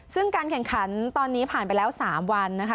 ซึ่งการแข่งขันตอนนี้ผ่านไปแล้ว๓วันนะคะ